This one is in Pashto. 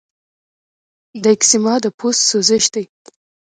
د ایکزیما د پوست سوزش دی.